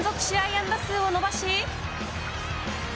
安打数を伸ばし。